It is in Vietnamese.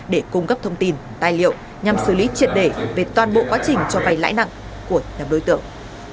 để cung cấp thông tin tài liệu nhằm xử lý triệt đề về toàn bộ quá trình cho vay lãi nặng của nhóm đối tượng